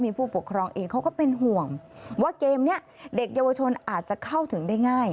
มือเป็นห่วงว่าเกมนี้เด็กเยาวชนอาจจะเข้าถึงได้ง่าย